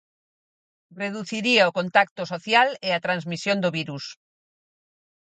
Reduciría o contacto social e a transmisión do virus.